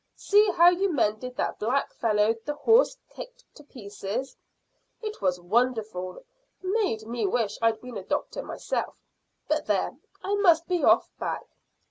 See how you mended that black fellow the horse kicked to pieces. It was wonderful; made me wish I'd been a doctor myself. But there, I must be off back."